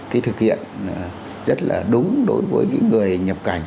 cái thực hiện rất là đúng đối với những người nhập cảnh